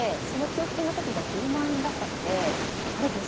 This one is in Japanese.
その給付金の時が１０万円だったのであれ？